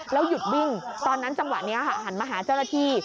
หยุดวิ่งตอนนั้นจังหวะนี้ค่ะหันมาหาเจ้าหน้าที่